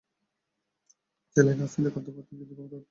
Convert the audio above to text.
তিনি চাইলে রাজনীতি করতে পারতেন, কিন্তু ক্ষমতার প্রতি তাঁর লোভ ছিল না।